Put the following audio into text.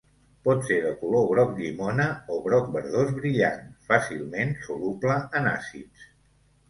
Pot ser de color groc llimona o groc verdós brillant, fàcilment soluble en àcids.